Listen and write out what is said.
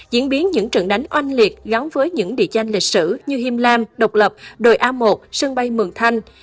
diễn biến những trận đánh oanh liệt gắn với những địa danh lịch sử như hiêm lam độc lập đồi a một sân bay mường thanh